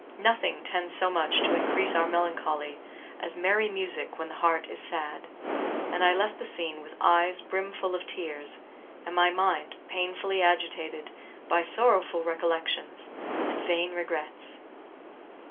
Nothing tends so much to increase our melancholy as merry music when the heart is sad; and I left the scene with eyes brimful of tears, and my mind painfully agitated by sorrowful recollections and vain regrets.